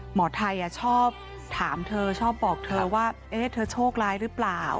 หมอไทยชอบถามเธอชอบบอกเธอว่าเธอโชคร้ายหรือเปล่า